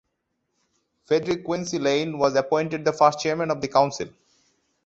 Frederick Quincey Lane was appointed the first chairman of the council.